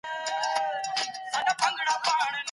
ښوونکی د زدهکوونکو د باور فضا پیاوړي کوي.